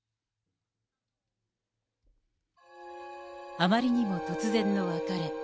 あまりにも突然の別れ。